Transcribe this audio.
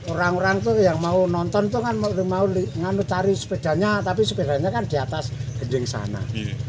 orang orang itu yang mau nonton itu kan mau cari sepedanya tapi sepedanya kan di atas anjing sana